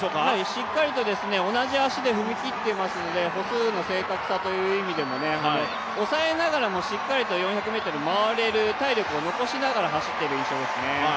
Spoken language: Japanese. しっかりと同じ足で踏み切っていますので歩数の正確さという意味でも抑えながらもしっかりと４００ｍを回れる体力をしっかり残して走ってる印象ですね。